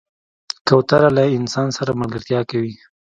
کوتره له انسان سره ملګرتیا کوي.